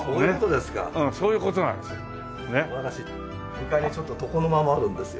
２階にちょっと床の間もあるんですよ。